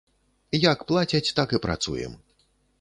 Як плацяць, так і працуем.